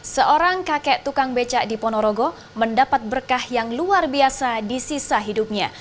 seorang kakek tukang becak di ponorogo mendapat berkah yang luar biasa di sisa hidupnya